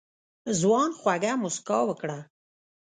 ځوان خوږه موسکا وکړه.